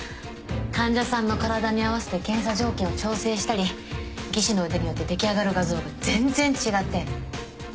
患者さんの体に合わせて検査条件を調整したり技師の腕によって出来上がる画像が全然違って。